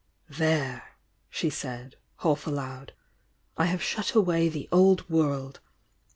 "There!" she said half aloud— "I have shut away the old world